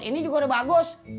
ini juga udah bagus